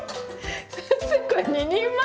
先生これ２人前？